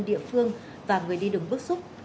địa phương và người đi đường bức xúc